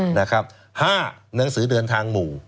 ห้าหนังสือเดินทางหมู่